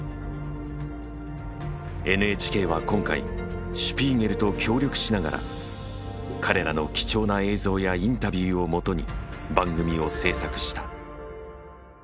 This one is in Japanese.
ＮＨＫは今回シュピーゲルと協力しながら彼らの貴重な映像やインタビューをもとに番組を制作した。